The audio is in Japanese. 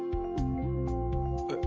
えっ。